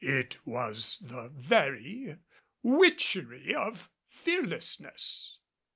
It was the very witchery of fearlessness.